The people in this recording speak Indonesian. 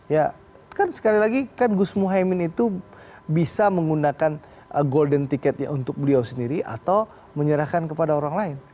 ya kan sekali lagi kan gus muhaymin itu bisa menggunakan golden ticketnya untuk beliau sendiri atau menyerahkan kepada orang lain